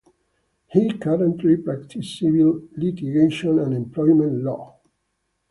He currently practises civil litigation and employment law.